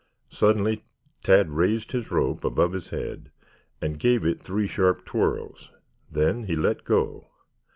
Suddenly Tad raised his rope above his head and gave it three sharp twirls. Then he let go.